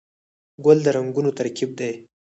ګل د رنګونو ترکیب دی.